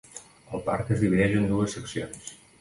El parc es divideix en dues seccions.